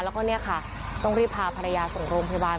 แล้วก็ต้องรีบพาภรรยาส่งโรงพยาบาล